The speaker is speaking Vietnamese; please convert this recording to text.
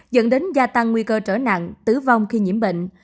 dẫn đến gia tăng nguy cơ trở nặng tử vong khi nhiễm bệnh